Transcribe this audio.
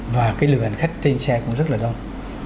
và cái lượng hành khách trên xe cũng rất là đông